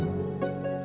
bukan tante rantian asli